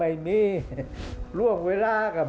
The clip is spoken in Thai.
ภาคอีสานแห้งแรง